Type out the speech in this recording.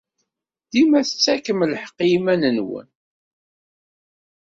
Dima tettakfem lḥeqq i yiman-nwen.